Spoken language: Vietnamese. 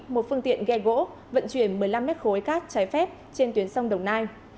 một phương tiện ghe gỗ vận chuyển một mươi năm mét khối cát trái phép trên tuyến sông đồng nai